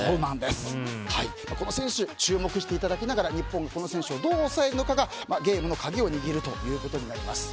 この選手に注目していただきながら日本、この選手をどう抑えるかがゲームの鍵を握るということになります。